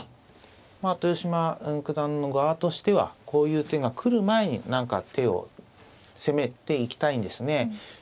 豊島九段の側としてはこういう手が来る前に何か手を攻めていきたいんですね。